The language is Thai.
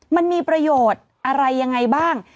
มันมีประโยชน์อะไรยังไงบ้าง